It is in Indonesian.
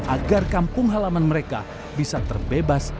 agar kampung halaman mereka bisa terbebas